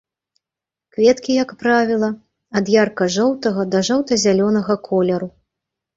Кветкі, як правіла, ад ярка-жоўтага да жоўта-зялёнага колеру.